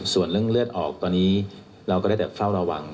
ส่วนเรื่องเลือดออกตอนนี้เราก็ได้แต่เฝ้าระวัง